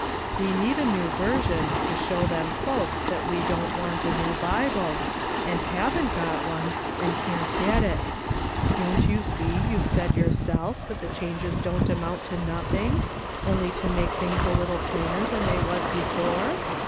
" We need a New Version to show them folks that we don't want a new Bible, and haven't got one, and can't get it. Don't you see you've said yourself that the changes don't amount to nothing, only to make things a little plainer than they was before